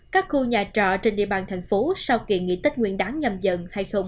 các khu nhà trọ trên địa bàn thành phố sau khi nghỉ tết nguyên đán nhâm dần hai nghìn hai mươi hai